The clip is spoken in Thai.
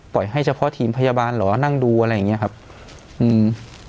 ให้เฉพาะทีมพยาบาลเหรอนั่งดูอะไรอย่างเงี้ยครับอืม